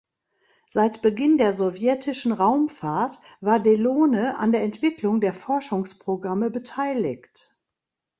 Seit Beginn der sowjetischen Raumfahrt war Delone an der Entwicklung der Forschungsprogramme beteiligt.